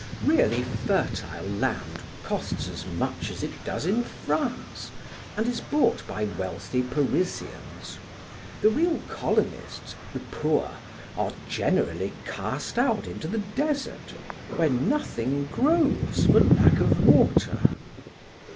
Really fertile land costs as much as it does in France and is bought by wealthy Parisians. The real colonists, the poor, are generally cast out into the desert, where nothing grows for lack of water."